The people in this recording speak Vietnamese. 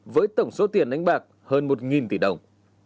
với tổng số tiền đánh bạc hơn một tỷ đồng